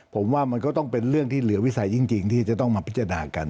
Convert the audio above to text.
ผมว่ามันก็ต้องเป็นเรื่องที่เหลือวิสัยจริงที่จะต้องมาพิจารณากัน